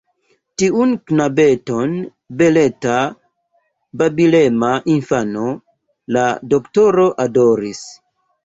Tiun knabeton, beleta, babilema infano, la doktoro adoris.